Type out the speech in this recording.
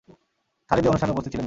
খালিদ এ অনুষ্ঠানে উপস্থিত ছিলেন না।